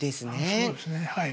そうですねはい。